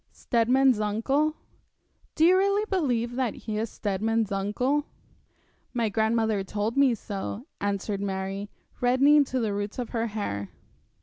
'Steadman's uncle?' 'Do you really believe that he is Steadman's uncle?' 'My grandmother told me so,' answered Mary, reddening to the roots of her hair.